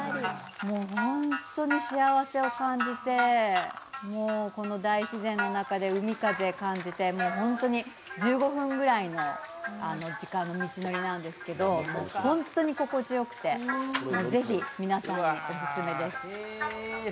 本当に幸せを感じて、もうこの大自然の中で海風を感じて１５分くらいの時間の道のりなんですけど、本当に心地よくて、ぜひ皆さんにオススメです。